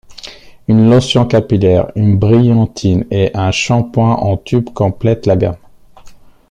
Une lotion capillaire, une brillantine et un shampooing en tube complètent la gamme.